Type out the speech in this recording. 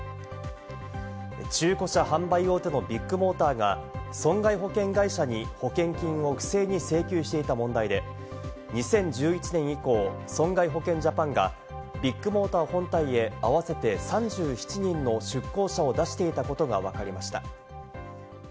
中古車販売大手のビッグモーターが損害保険会社に保険金を不正に請求していた問題で、２０１１年以降、損害保険ジャパンがビッグモーター本体へ合わせて３７人の出向者を出していたことがわかりました。